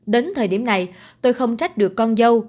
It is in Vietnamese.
đến thời điểm này tôi không trách được con dâu